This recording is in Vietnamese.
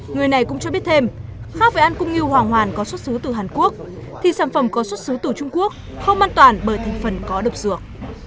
người này cũng cho biết thêm khác với ăn cung ngư hoàng hoàn có xuất xứ từ hàn quốc thì sản phẩm có xuất xứ từ trung quốc không an toàn bởi thành phần có độc dược